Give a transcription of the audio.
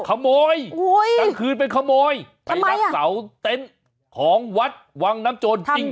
ขโมยกลางคืนไปขโมยไปรับเสาเต็นต์ของวัดวังน้ำโจรจริง